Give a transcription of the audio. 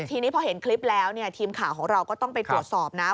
ทีนี้พอเห็นคลิปแล้วเนี่ยทีมข่าวของเราก็ต้องไปตรวจสอบนะ